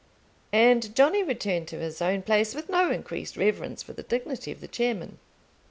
And Johnny returned to his own place, with no increased reverence for the dignity of the chairman.